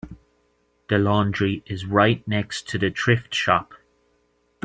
The laundry is right next to the thrift shop.